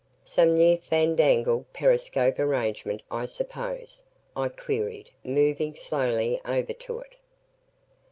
"Some new fandangled periscope arrangement, I suppose?" I queried moving slowly over toward it.